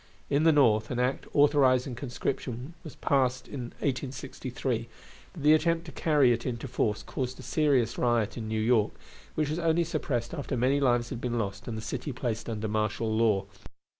In the North an act authorizing conscription was passed in 1863, but the attempt to carry it into force caused a serious riot in New York, which was only suppressed after many lives had been lost and the city placed under martial law.